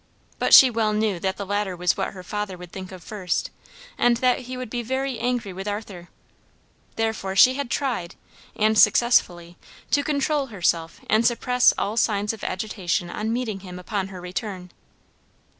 But she well knew that the latter was what her father would think of first, and that he would be very angry with Arthur; therefore she had tried, and successfully, to control herself and suppress all signs of agitation on meeting him upon her return.